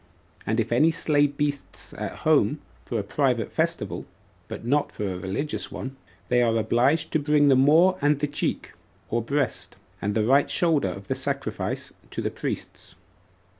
And if any slay beasts at home for a private festival, but not for a religious one, they are obliged to bring the maw and the cheek, [or breast,] and the right shoulder of the sacrifice, to the priests.